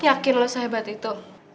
yakin lu sehebat itu